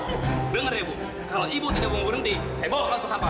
ibu dengar ya ibu kalau ibu tidak mau berhenti saya bawa lo ke sampah